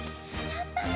やったね。